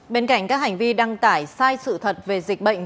bên cạnh các hành vi đăng tải sai sự thật về dịch bệnh